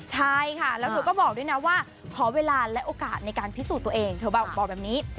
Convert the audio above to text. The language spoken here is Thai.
ใช่ค่ะแล้วเธอก็บอกด้วยนะว่าขอเวลาและโอกาสในการพิสูจน์ตัวเองเธอบอกแบบนี้